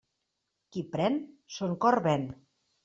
Qui pren, son cor ven.